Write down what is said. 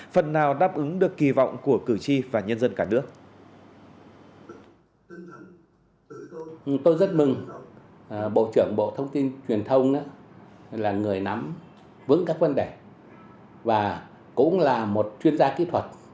phần nào đáp ứng được kỳ vọng của cử tri và nhân dân cả nước